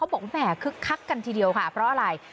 บอกแห่คึกคักกันทีเดียวค่ะเพราะอะไร